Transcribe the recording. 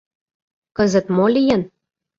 Кызыт мо лийын?